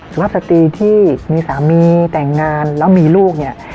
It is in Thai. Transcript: ภาพสตรีที่มีสามีแต่งงานแล้วมีลูกเนี่ย